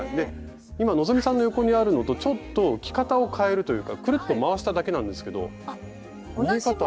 今希さんの横にあるのとちょっと着方を変えるというかくるっと回しただけなんですけど見え方。